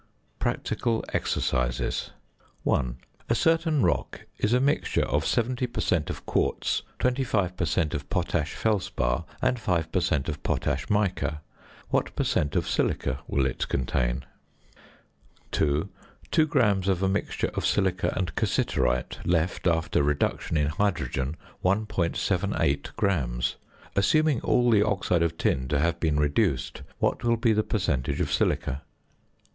PRACTICAL EXERCISES. 1. A certain rock is a mixture of 70 per cent. of quartz, 25 per cent. of potash felspar, and 5 per cent. of potash mica. What per cent. of silica will it contain? 2. Two grams of a mixture of silica and cassiterite left, after reduction in hydrogen, 1.78 grams. Assuming all the oxide of tin to have been reduced, what will be the percentage of silica?